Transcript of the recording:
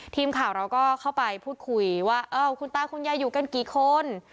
ทีมข่าวเราก็เข้าไปพูดคุยว่าคุณตาคุณยายอยู่กันกี่คน